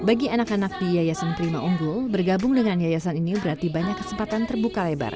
bagi anak anak di yayasan prima unggul bergabung dengan yayasan ini berarti banyak kesempatan terbuka lebar